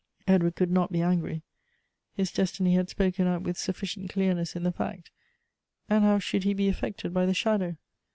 Edward could not be angry. His destiny had spoken out with suflScient clearness in the fact, and how should he be affected by the shadow?